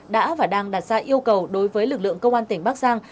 đã và đang đặt ra yêu cầu đối với lực lượng công an tỉnh bắc giang